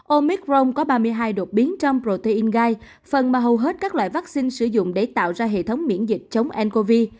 omicron có ba mươi hai đột biến trong protein gai phần mà hầu hết các loại vaccine sử dụng để tạo ra hệ thống miễn dịch chống ncov